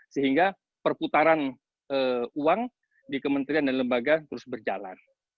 sehingga perputaran uang di kementerian dan lembaga terus berjalan